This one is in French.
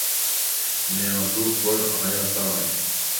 Mais un jour, Paul réapparaît...